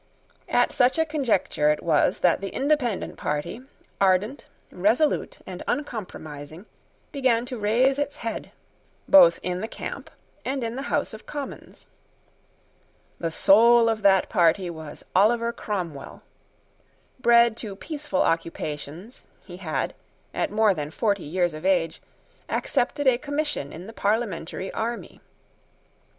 At such a conjuncture it was that the Independent party, ardent, resolute, and uncompromising, began to raise its head, both in the camp and in the House of Commons. The soul of that party was Oliver Cromwell. Bred to peaceful occupations, he had, at more than forty years of age, accepted a commission in the parliamentary army.